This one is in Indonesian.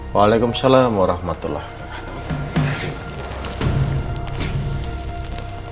waalaikumsalam warahmatullahi wabarakatuh